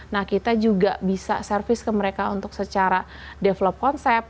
nah kita juga bisa service ke mereka untuk secara develop konsep